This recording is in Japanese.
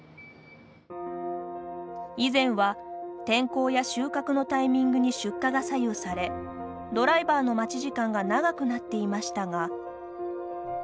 以前は天候や収獲のタイミングに出荷が左右されドライバーの待ち時間が長くなっていましたが。